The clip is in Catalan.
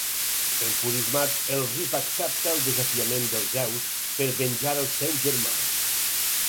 Enfurismat, el Rip accepta el desafiament del Zeus per venjar el seu germà.